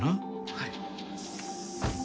はい。